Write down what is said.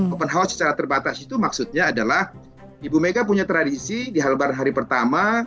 open house secara terbatas itu maksudnya adalah ibu mega punya tradisi di halbar hari pertama